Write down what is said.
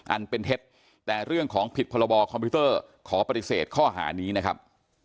อันเป็นเท็จแต่เรื่องของผิดพคขอปฤเศษข้อหานี้นะครับ